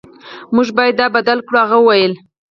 موږ باید دا بدل کړو هغه وویل